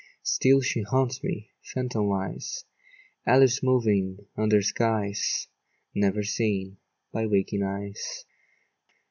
Still she haunts me, phantomwise, Alice moving under skies Never seen by waking eyes.